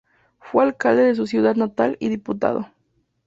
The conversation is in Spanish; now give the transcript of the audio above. Fue alcalde de su ciudad natal y diputado.